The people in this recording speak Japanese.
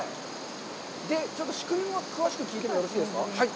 ちょっと仕組みを詳しく聞いてもよろしいですか。